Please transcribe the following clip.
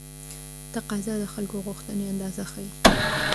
تقاضا د خلکو غوښتنې اندازه ښيي.